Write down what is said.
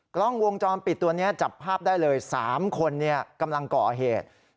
กล้องวงจรปิดตัวนี้จับภาพได้เลย๓คนกำลังก่อเหตุ